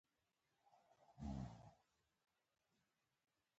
رښتینی سوداګر بریالی وي.